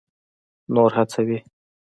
نور هڅوي.